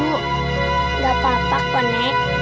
nggak apa apa kok nek